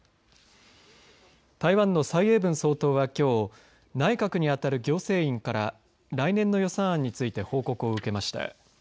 台湾の蔡英文総統は、きょう内閣に当たる行政院から来年の予算案について報告を受けました。